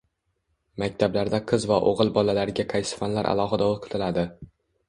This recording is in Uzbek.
Maktablarda qiz va o‘g‘il bolalarga qaysi fanlar alohida o‘qitiladi?